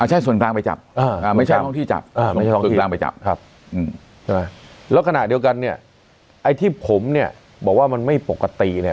ไอ้ที่ผมเนี่ยบอกว่ามันไม่ปกติเนี่ยเพราะอะไรนะ